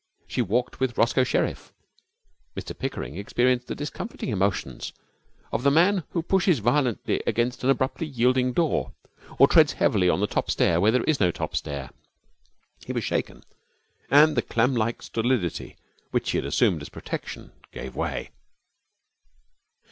She walked with Roscoe Sherriff. Mr Pickering experienced the discomfiting emotions of the man who pushes violently against an abruptly yielding door, or treads heavily on the top stair where there is no top stair. He was shaken, and the clamlike stolidity which he had assumed as protection gave way.